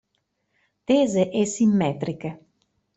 Tese e simmetriche.